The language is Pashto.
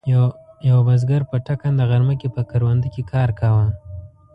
یوه بزګر په ټکنده غرمه کې په کرونده کې کار کاوه.